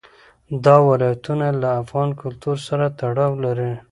دا ولایتونه له افغان کلتور سره تړاو لري.